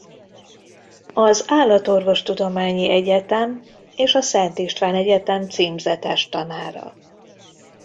Az Állatorvostudományi Egyetem és a Szent István Egyetem címzetes tanára.